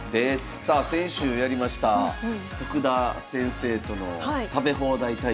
さあ先週やりました徳田先生との食べ放題対局